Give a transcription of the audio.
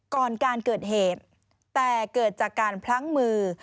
ก่อนการเกิดเหตุแต่เกิดจากการพลั้งมือ